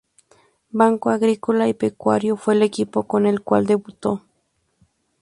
Banco Agrícola y Pecuario fue el equipo con el cual debutó.